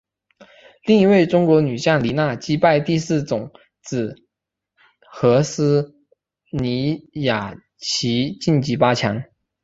另一位中国女将李娜击败第四种籽禾丝妮雅琪晋级八强。